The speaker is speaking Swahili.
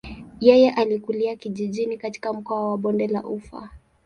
Yeye alikulia kijijini katika mkoa wa bonde la ufa.